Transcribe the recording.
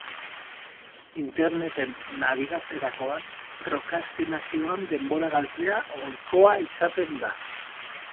Interneten nabigatzerakoan, prokrastinazioan denbora galtzea ohikoa izaten da.